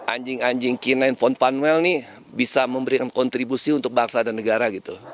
anjing anjing kainai von faunel nih bisa memberikan kontribusi untuk bangsa dan negara gitu